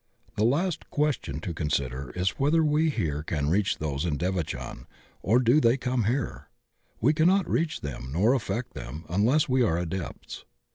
The last question to consider is whether we here can reach those in devachan or do they come here. We cannot reach them nor affect them unless we are Adepts.